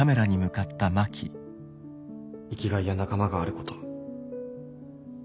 生きがいや仲間があること。